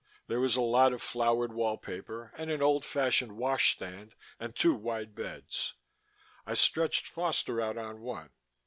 There was a lot of flowered wallpaper and an old fashioned wash stand and two wide beds. I stretched Foster out on one.